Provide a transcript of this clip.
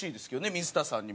水田さんにも。